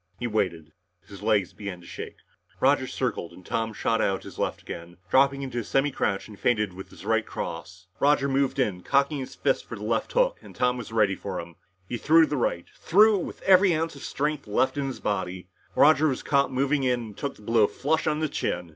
He waited his legs began to shake. Roger circled and Tom shot out the left again, dropped into a semicrouch and feinted with the right cross. Roger moved in, cocking his fist for the left hook and Tom was ready for him. He threw the right, threw it with every ounce of strength left in his body. Roger was caught moving in and took the blow flush on the chin.